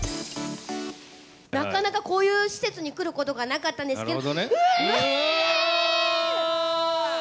なかなかこういう施設に来ることがなかったんですけど。